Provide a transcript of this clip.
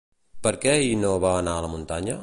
Per què Ino va anar a la muntanya?